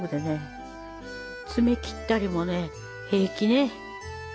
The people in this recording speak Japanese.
爪切ったりもね平気ね。